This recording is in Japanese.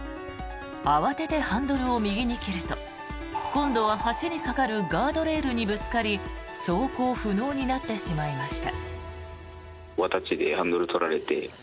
慌ててハンドルを右に切ると今度は橋に架かるガードレールにぶつかり走行不能になってしまいました。